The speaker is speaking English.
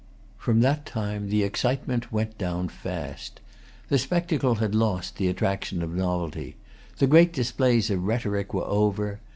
From that time the excitement went down fast. The spectacle had lost the attraction of novelty. The great displays of rhetoric were over.